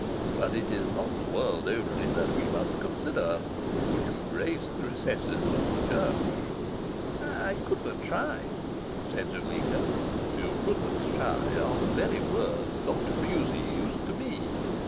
But it is not the world only that we must consider. Would you grace the recesses of the Church?" "I could but try," said Zuleika. "'You could but try' are the very words Dr. Pusey used to me.